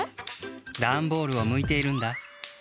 ダンボールをむいているんだ。